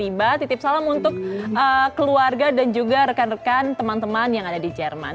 tiba titip salam untuk keluarga dan juga rekan rekan teman teman yang ada di jerman